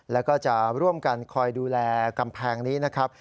แล้วก็จะร่วมกันคอยดูแลกำแพงนี้นะครับ